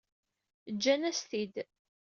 Ǧǧan-as-t-id.